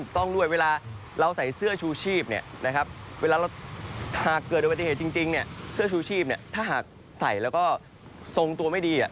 ถ้าหากใส่แล้วก็ทรงตัวไม่ดี